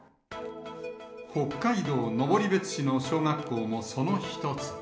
北海道登別市の小学校もその一つ。